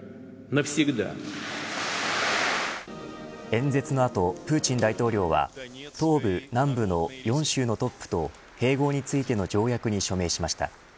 演説の後プーチン大統領は東部、南部の４州のトップと併合についての条約に署名しました。